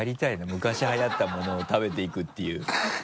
昔はやったものを食べていくっていう。